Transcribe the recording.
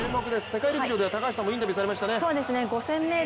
世界陸上では高橋さんもインタビューされましたね。